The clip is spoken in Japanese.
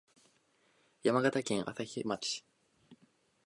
山形県朝日町